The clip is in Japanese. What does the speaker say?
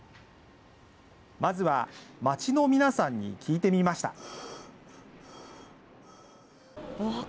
まずは街の皆さんに聞いてみました。